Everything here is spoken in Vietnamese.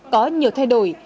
có nhiều thay đổi